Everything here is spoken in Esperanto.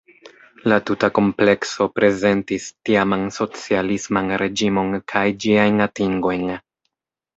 La tuta komplekso prezentis tiaman socialisman reĝimon kaj ĝiajn atingojn.